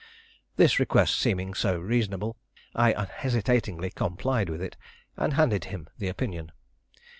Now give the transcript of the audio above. This request seeming so reasonable, I unhesitatingly complied with it, and handed him the opinion.